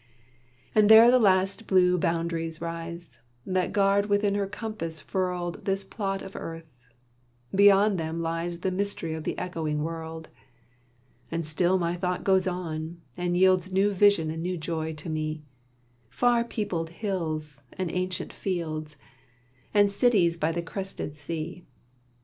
And there the last blue boundaries rise, That guard within their compass furled This plot of earth: beyond them lies The mystery of the echoing world; And still my thought goes on, and yields New vision and new joy to me, Far peopled hills, and ancient fields, And cities by the crested sea.